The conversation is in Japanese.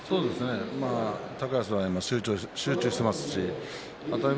高安は集中していますし熱海